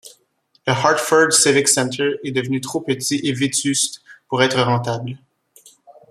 Le Hartford Civic Center est devenu trop petit et vétuste pour être rentable.